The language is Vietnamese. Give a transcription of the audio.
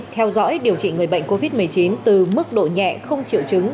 theo dõi điều trị người bệnh covid một mươi chín từ mức độ nhẹ không chịu chứng